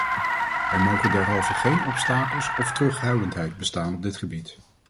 Er mogen derhalve geen obstakels of terughoudendheid bestaan op dit gebied.